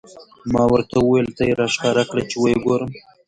ما ورته وویل: ته یې را ښکاره کړه، چې و یې ګورم.